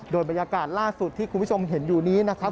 โดยบรรยากาศล่าสุดที่คุณผู้ชมเห็นอยู่นี้นะครับ